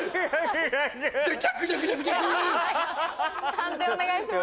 判定お願いします。